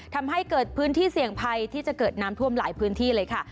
ทำให้เกิดพื้นที่เสี่ยงภัยที่จะเกิดน้ำท่วมหลายพื้นที่เลยค่ะ